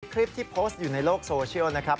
คลิปที่โพสต์อยู่ในโลกโซเชียลนะครับ